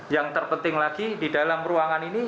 yang terpenting lagi di dalam ruangan ini